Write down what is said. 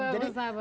bagi bursa pak